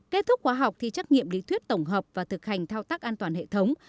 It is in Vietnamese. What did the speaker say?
kết thúc khóa học thì trắc nghiệm lý thuyết tổng hợp và thực hành thao tác an toàn hệ thống